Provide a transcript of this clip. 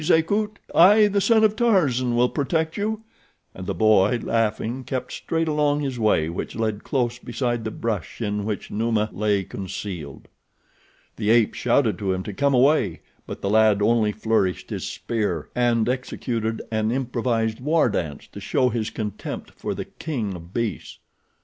Akut! I, the son of Tarzan, will protect you," and the boy, laughing, kept straight along his way which led close beside the brush in which Numa lay concealed. The ape shouted to him to come away, but the lad only flourished his spear and executed an improvised war dance to show his contempt for the king of beasts.